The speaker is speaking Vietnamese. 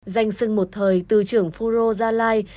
danh sưng một thời từ trưởng phú rô gia lai